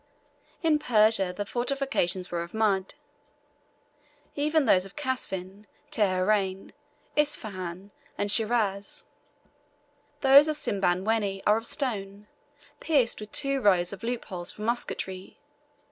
In Persia the fortifications were of mud, even those of Kasvin, Teheran, Ispahan, and Shiraz; those of Simbamwenni are of stone, pierced with two rows of loopholes for musketry.